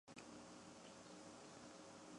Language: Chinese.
塞尔屈厄。